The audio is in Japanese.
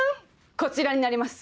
こちらになります。